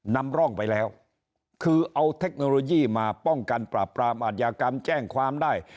นำร่องไปแล้วคือเอาเทคโนโลยีมาป้องกันปราบปรามอาทยากรรมแจ้งความได้